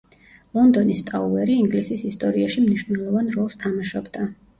ლონდონის ტაუერი ინგლისის ისტორიაში მნიშვნელოვან როლს თამაშობდა.